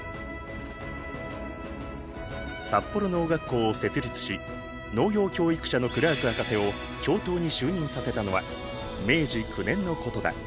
札幌農学校を設立し農業教育者のクラーク博士を教頭に就任させたのは明治９年のことだ。